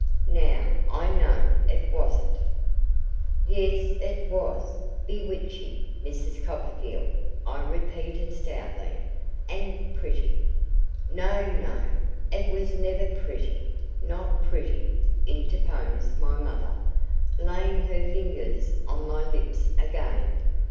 Now I know it wasn't!' 'Yes, it was. "Bewitching Mrs. Copperfield",' I repeated stoutly. 'And, "pretty."' 'No, no, it was never pretty. Not pretty,' interposed my mother, laying her fingers on my lips again.